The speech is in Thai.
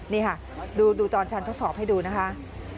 นี่ค่ะดูตอนชันทดสอบให้ดูนะคะ